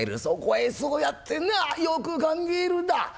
「そこへそうやってなあよく考えるんだ！